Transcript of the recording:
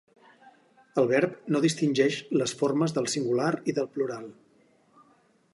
El verb no distingeix les formes del singular i del plural.